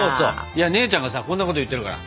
いや姉ちゃんがさこんなこと言ってるから。